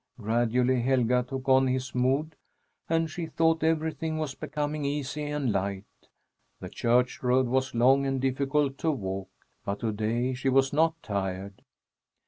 Gradually Helga took on his mood, and she thought everything was becoming easy and light. The church road was long and difficult to walk, but to day she was not tired.